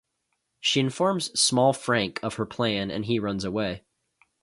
She informs Small Frank of her plan and he runs away.